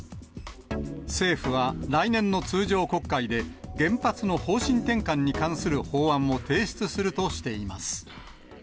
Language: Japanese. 政府は来年の通常国会で、原発の方針転換に関する法案を提出するとしています。